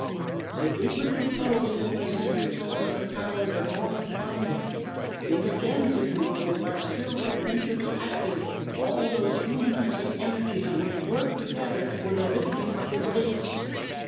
The deeper you probe into her secret sources of power, the more you find there, in the germ if you will, but still potentially active, all those humanising energies which work together for the lifting of the race.